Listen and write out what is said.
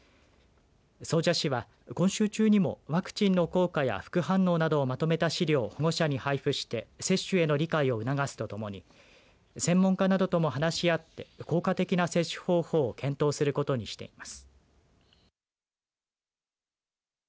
総社市は今週中にもワクチンの効果や副反応などをまとめた資料を保護者に配布して接種への理解を促すとともに専門家などとも話し合って効果的な接種方法を検討することにしています。